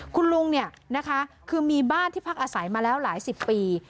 คุณลุงเนี่ยนะคะคือมีบ้านที่พักอาศัยมาแล้วหลายสิบปี